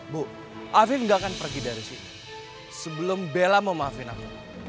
bu afif gak akan pergi dari sini sebelum bella mau maafin aku